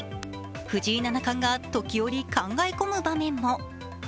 藤井七冠が時折、考え込む場面も。